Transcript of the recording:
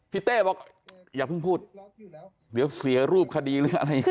เต้บอกอย่าเพิ่งพูดเดี๋ยวเสียรูปคดีหรืออะไรอย่างนี้